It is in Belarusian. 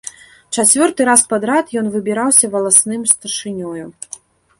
Чацвёрты раз падрад ён выбіраўся валасным старшынёю.